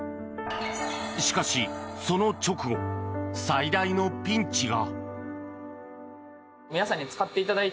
しかし、その直後最大のピンチが。